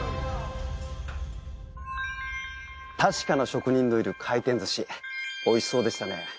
確かな職人のいる回転寿司おいしそうでしたね。